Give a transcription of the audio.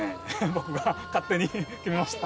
僕が勝手に決めました。